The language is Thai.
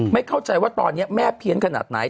ไม่เข้าใจว่าตอนนี้แม่เพี้ยนขนาดไหน